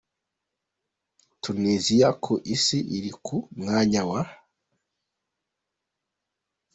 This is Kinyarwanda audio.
Tuniziya : ku isi iri ku mwanya wa .